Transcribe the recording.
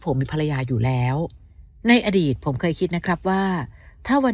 ผมมีภรรยาอยู่แล้วในอดีตผมเคยคิดนะครับว่าถ้าวัน